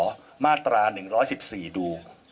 มาตรา๑๑๔ดูสื่อว่าสหวันนชนลองไปเปิดดูก็ได้นะครับ